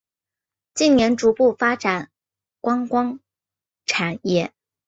近年逐步发展观光产业。